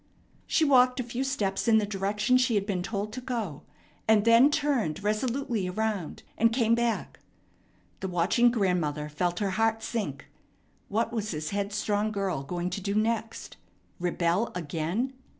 She walked a few steps in the direction she had been told to go, and then turned resolutely around, and came back. The watching grandmother felt her heart sink. What was this headstrong girl going to do next? Rebel again?